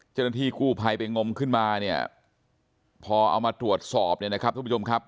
เจ้าหน้าที่กู้ภัยไปงมขึ้นมาเนี่ยพอเอามาตรวจสอบเนี่ยนะครับทุกผู้ชมครับ